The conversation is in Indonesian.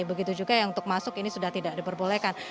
begitu juga yang untuk masuk ini sudah tidak diperbolehkan